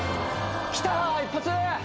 きた一発！